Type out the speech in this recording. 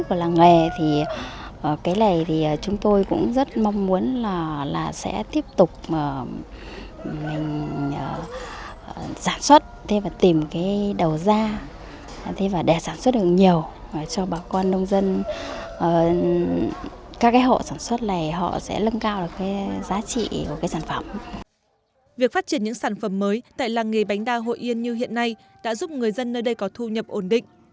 việc phát triển những sản phẩm mới tại làng nghề bánh đa hội yên như hiện nay đã giúp người dân nơi đây có thu nhập ổn định